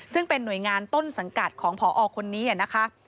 ซึ่งเป็นหน่วยงานต้นสังกัดของพอคนนี้นะคะ